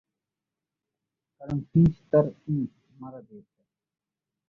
কারণ ফিঞ্চ তার ধোন মারা দিয়েছে।